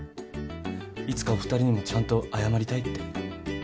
いつかお２人にもちゃんと謝りたいって。